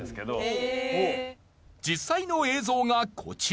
実際の映像がこちら。